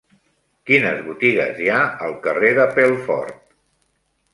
Quines botigues hi ha al carrer de Pelfort?